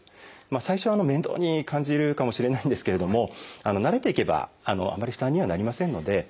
最初は面倒に感じるかもしれないんですけれども慣れていけばあまり負担にはなりませんので。